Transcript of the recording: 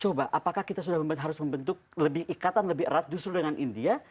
coba apakah kita sudah harus membentuk lebih ikatan lebih erat justru dengan india